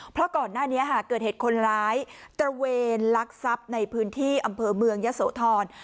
เพราะก่อนหน้านี้เกิดเหตุคนร้ายตระเวนลักทรัพย์ในพื้นที่อำเภอเมืองยะโสธร